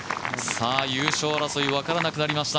優勝争い、分からなくなりました。